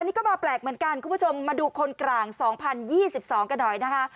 นี่ก็มาแปลกเหมือนกันคุณผู้ชมมาดูคนกลาง๒๐๒๒กันหน่อยนะคะ